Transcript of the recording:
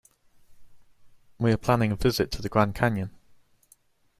We are planning to visit the Grand Canyon.